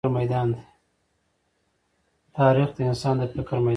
تاریخ د انسان د فکر ميدان دی.